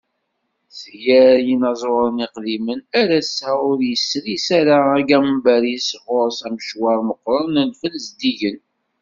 Seg gar yinaẓuren iqdimen, ar ass-a ur yesris ara agambar-is, ɣur-s amecwar meqqren n lfen zeddigen.